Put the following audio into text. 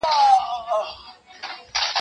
زه به سبا د سبا لپاره د يادښتونه ترتيب کوم!.